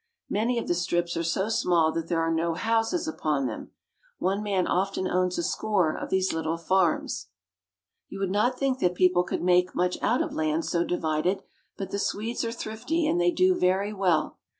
Many of the strips are so small that there are no houses upon them. One man often owns a score of these little farms. You would not think that people could make much out of land so divided, but the Swedes are thrifty and they do very well.